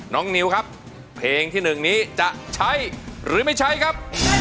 นิวครับเพลงที่๑นี้จะใช้หรือไม่ใช้ครับ